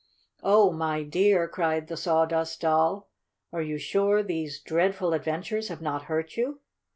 "Oh, my dear!" cried the Sawdust Doll, "are you sure these dreadful adventures have not hurt you?"